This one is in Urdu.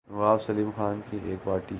نواب سیلم خان کی ایک پارٹی کی